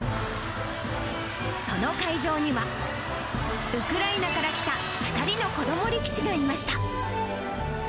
その会場には、ウクライナから来た２人の子ども力士がいました。